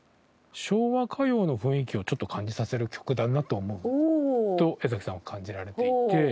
昭和歌謡の雰囲気をちょっと感じさせる曲だなと思うと江さんは感じられていて。